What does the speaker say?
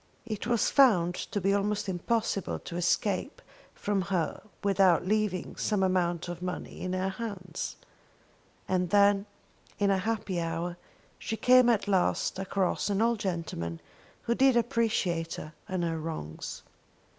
It was found to be almost impossible to escape from her without leaving some amount of money in her hands. And then, in a happy hour, she came at last across an old gentleman who did appreciate her and her wrongs.